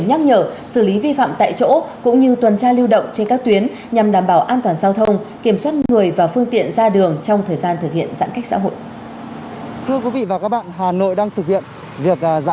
nhắc nhở xử lý vi phạm tại chỗ cũng như tuần tra lưu động trên các tuyến nhằm đảm bảo an toàn giao thông